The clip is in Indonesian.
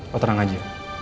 lo tenang aja